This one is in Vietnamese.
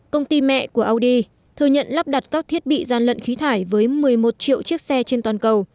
công ty mẹ của audi thừa nhận lắp đặt các thiết bị gian lận khí thải với một mươi một triệu chiếc xe trên toàn cầu